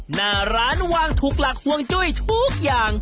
หน้าร้านวางถูกหลักห่วงจุ้ยทุกอย่าง